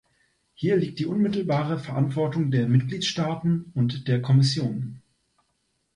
Hier liegt die unmittelbare Verantwortung der Mitgliedstaaten und der Kommission.